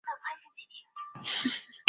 属茹伊斯迪福拉总教区。